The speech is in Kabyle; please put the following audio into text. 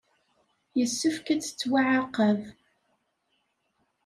Yessefk ad tettwaɛaqeb.